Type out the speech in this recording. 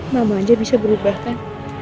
mama aja bisa berubah kan